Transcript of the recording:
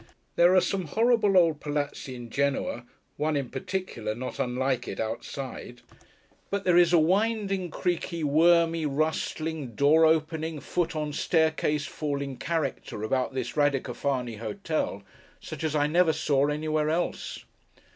There are some horrible old Palazzi in Genoa: one in particular, not unlike it, outside: but there is a winding, creaking, wormy, rustling, door opening, foot on staircase falling character about this Radicofani Hotel, such as I never saw, anywhere else.